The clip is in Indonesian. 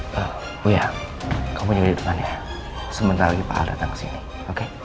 buya kamu juga di depannya sementara lagi pak al datang kesini oke